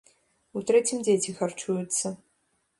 У трэцім дзеці харчуюцца.